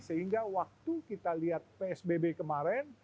sehingga waktu kita lihat psbb kemarin